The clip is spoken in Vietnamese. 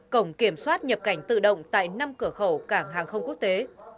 cổng kiểm soát nhập cảnh tự động tại năm cửa khẩu cảng hàng không quốc tế